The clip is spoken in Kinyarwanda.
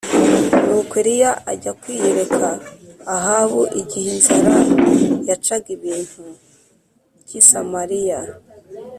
Nuko Eliya ajya kwiyereka Ahabu igihe inzara yacaga ibintu g i Samariya